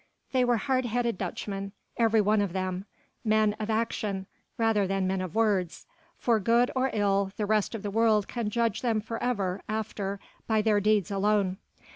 They were hard headed Dutchmen, every one of them: men of action rather than men of words: for good or ill the rest of the world can judge them forever after by their deeds alone.